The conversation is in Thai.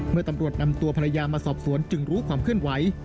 ตำรวจนำตัวภรรยามาสอบสวนจึงรู้ความเคลื่อนไหว